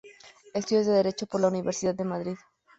Estudios de Derecho por la Universidad de Madrid.